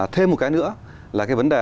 thêm một cái nữa là cái vấn đề